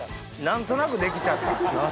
なんとなくできちゃった。